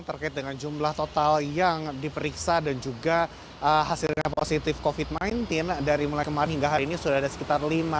terkait dengan jumlah total yang diperiksa dan juga hasilnya positif covid sembilan belas dari mulai kemarin hingga hari ini sudah ada sekitar lima